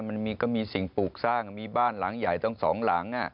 มันก็มีสิ่งปลูกสร้างมีบ้านหลังใหญ่ตั้งสองหลัง